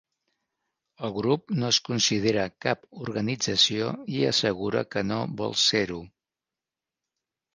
El grup no es considera cap organització i assegura que no vol ser-ho.